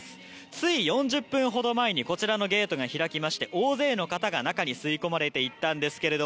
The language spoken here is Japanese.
つい４０分ほど前にこちらのゲートが開きまして大勢の方が中に吸い込まれていったんですが